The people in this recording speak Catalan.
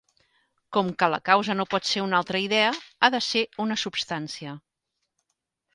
Com que la causa no pot ser una altra idea, ha de ser una substància.